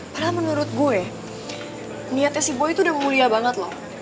padahal menurut gue niatnya si bo itu udah mulia banget loh